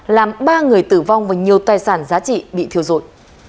làm ba người tử vong và nhiều tài sản giá trị bị thiêu rụi